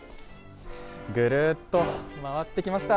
ぐるっと回ってきました。